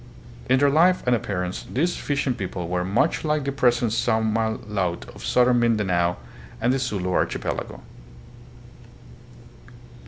In their life and appearance these fishing people were much like the present Samal laut of southern Mindanao and the Sulu Archipelago.